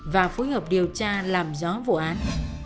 và phối hợp điều tra làm rõ vụ án